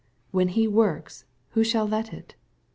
When He works, who shall let it?